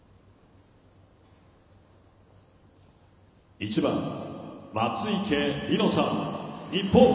１番松生理乃さん、日本。